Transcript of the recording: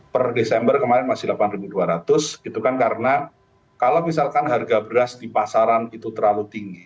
per desember kemarin masih rp delapan dua ratus gitu kan karena kalau misalkan harga beras di pasaran itu terlalu tinggi